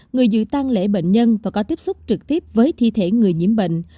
người giữ tăng lễ bệnh nhân và có tiếp xúc trực tiếp với thi thể người nhiễm bệnh